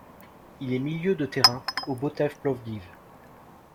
Il est milieu de terrain au Botev Plovdiv.